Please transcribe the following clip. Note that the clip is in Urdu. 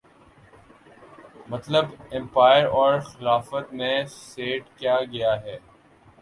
مطلب ایمپائر اور خلافت میں سیٹ کیا گیا ہے